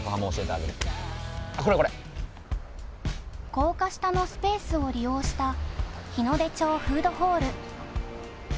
高架下のスペースを利用した日ノ出町フードホール。